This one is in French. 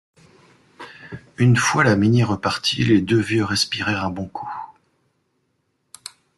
Une fois la Mini repartie, les deux vieux respirèrent un bon coup.